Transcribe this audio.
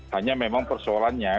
hanya memang persoalannya